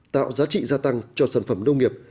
tạo giá trị gia tăng cho sản phẩm nông nghiệp